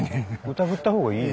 疑った方がいいの？